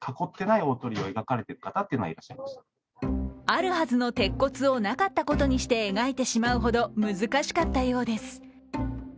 あるはずの鉄骨をなかったことにして描いてしまうほど難しかったようです。